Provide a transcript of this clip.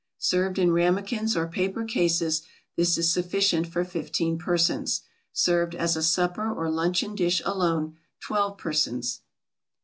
Served in ramekins or paper cases this is sufficient for fifteen persons. Served as a supper or luncheon dish alone, twelve persons.